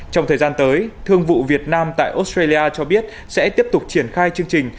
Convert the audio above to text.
trong thời gian tới thương vụ việt nam tại australia cho biết sẽ tiếp tục triển khai chương trình